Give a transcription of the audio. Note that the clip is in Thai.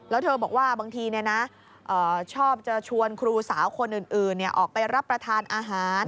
แล้วเธอบอกว่าบางทีชอบจะชวนครูสาวคนอื่นออกไปรับประทานอาหาร